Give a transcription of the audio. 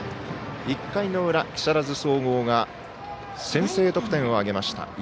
１回の裏、木更津総合が先制得点を挙げました。